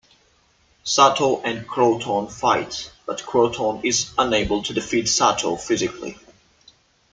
Sato and Kroton fight, but Kroton is unable to defeat Sato physically.